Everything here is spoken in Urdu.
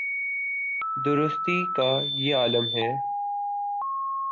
درستی کا یہ عالم ہے۔